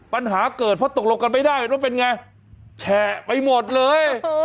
ปัญหาเกิดเพราะตกลงกันไม่ได้ว่าเป็นไงแฉะไปหมดเลย